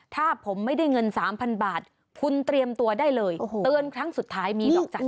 ถ้าผมไม่ได้เงิน๓๐๐บาทคุณเตรียมตัวได้เลยเตือนครั้งสุดท้ายมีนอกจากนี้